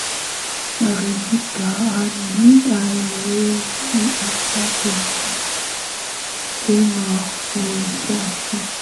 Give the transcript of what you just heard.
haribika yaani haiwezi hata ukisema uisafishe